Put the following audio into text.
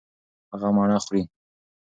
هغه مڼه خوري.